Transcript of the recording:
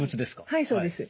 はいそうです。